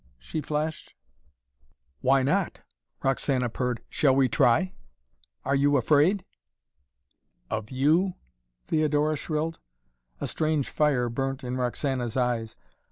she flashed. "Why not?" Roxana purred. "Shall we try? Are you afraid?" "Of you?" Theodora shrilled. A strange fire burnt in Roxana's eyes.